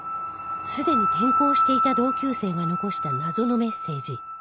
すでに転校していた同級生が残した謎のメッセージ